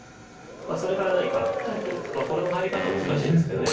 それから何かこの入り方も難しいんですけど。